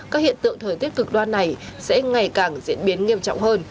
các hiện tượng thời tiết cực đoan này sẽ ngày càng diễn biến nghiêm trọng hơn